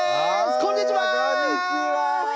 こんにちは。